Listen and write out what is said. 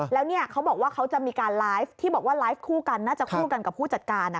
แล้วเนี่ยเขาบอกว่าเขาจะมีการไลฟ์ที่บอกว่าไลฟ์คู่กันน่าจะคู่กันกับผู้จัดการ